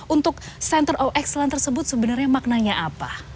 untuk center of excellence tersebut sebenarnya maknanya apa